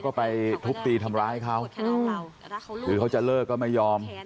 ก็ไปทุบตีทำร้ายเขาเลิกหรือเขาจะเลิกก็ไม่ยอม